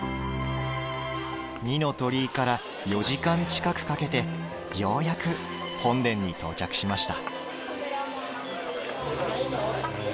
二の鳥居から４時間近くかけてようやく本殿に到着しました。